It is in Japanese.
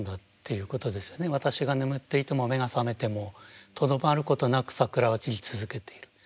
私が眠っていても目が覚めてもとどまることなく桜は散り続けている。